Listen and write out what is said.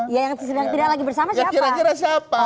ya yang sedang tidak lagi bersama siapa